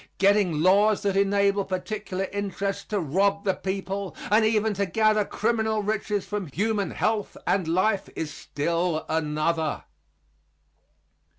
Getting laws that enable particular interests to rob the people, and even to gather criminal riches from human health and life is still another.